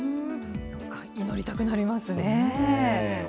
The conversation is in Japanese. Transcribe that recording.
祈りたくなりますね。